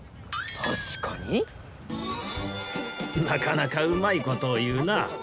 なかなかうまいことをいうな。